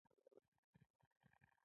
هغه ملا وتړي.